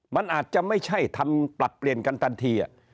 มันอาจจะไม่ใช่ทำปรับเปลี่ยนกันทันที